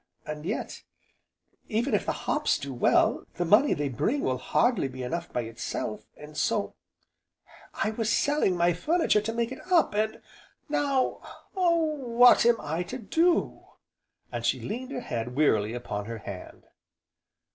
And yet, even if the hops do well, the money they bring will hardly be enough by itself, and so I was selling my furniture to make it up, and now Oh! what am I to do?" and she leaned her head wearily upon her hand.